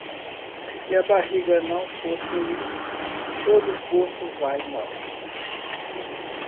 Se a barriga não for feliz, todo o corpo vai mal.